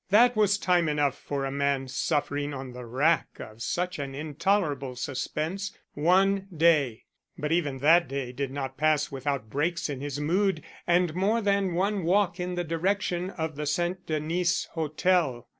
That was time enough for a man suffering on the rack of such an intolerable suspense one day. But even that day did not pass without breaks in his mood and more than one walk in the direction of the St. Denis Hotel.